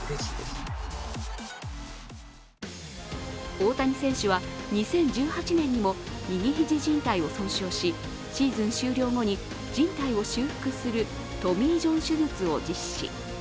大谷選手は２０１８年にも右肘じん帯を損傷しシーズン終了後に、じん帯を修復するトミー・ジョン手術を実施。